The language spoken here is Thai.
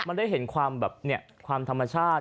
มันได้เห็นความแบบความธรรมชาติ